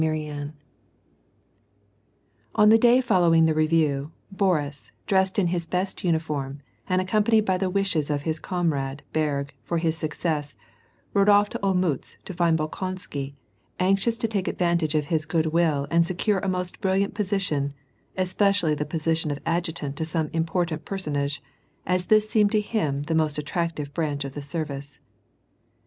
CHAPTER IX. On the day following the review, Boris, dressed in his best uniform, and accompanied by the wishes of his comrade, Berg, for his success, rode oif to Olmtltz to find Bolkonsky, anxious to take advantage of his good will and secure a most brilliant position, especially the position of adjutant to some important personage, as this seemed to him the most attractive branch of the service.